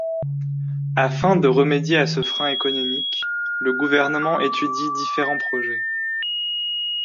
Afin de remédier à ce frein économique, le gouvernement étudie différents projets.